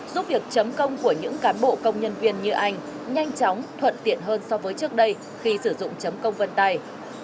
giúp việc chấm công của những cán bộ công nhân viên như anh nhanh chóng thuận tiện hơn so với trước đây khi sử dụng chấm công vân tay